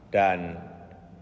dan juga mendengar